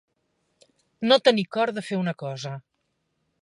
No tenir cor de fer una cosa.